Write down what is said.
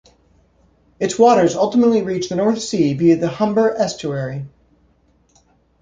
Its waters ultimately reach the North Sea via the Humber Estuary.